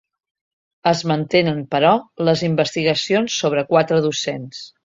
Es mantenen, però, les investigacions sobre quatre docents.